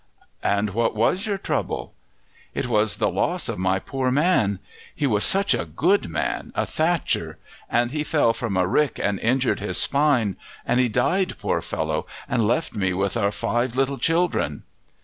"And what was your trouble?" "It was the loss of my poor man. He was such a good man, a thatcher; and he fell from a rick and injured his spine, and he died, poor fellow, and left me with our five little children."